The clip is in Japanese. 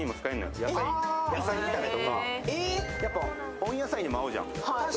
温野菜にも合うじゃん。